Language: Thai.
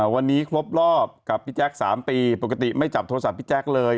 วันนี้ครบรอบกับพี่แจ๊ค๓ปีปกติไม่จับโทรศัพท์พี่แจ๊คเลย